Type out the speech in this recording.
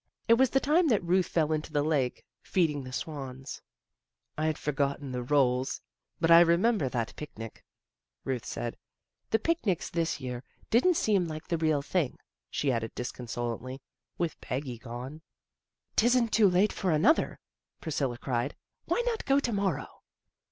It was the time that Ruth fell into the lake, feeding the swans." " I'd forgotten the rolls, but I remember that picnic," Ruth said. " The picnics this year didn't seem like the real thing," she added disconsolately, " with Peggy gone." 32 THE GIRLS OF FRIENDLY TERRACE " 'Tisn't too late for another," Priscilla cried. " Why not go to morrow?